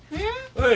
はい。